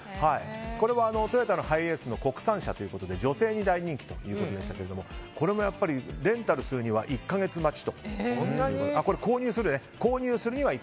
これはトヨタのハイエースの国産車ということで女性に大人気ということでしたがこれも、購入するには１か月待ちと。